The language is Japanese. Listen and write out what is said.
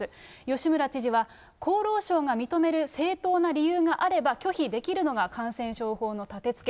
吉村知事は、厚労省が認める正当な理由があれば、拒否できるのが感染症法のたてつけ。